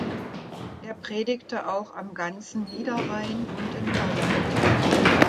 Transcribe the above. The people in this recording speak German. Er predigte auch am ganzen Niederrhein und in Holland.